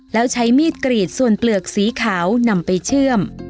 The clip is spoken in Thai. แล้วใช้มีดกรีดส่วนเปลือกสีขาวนำไปเชื่อม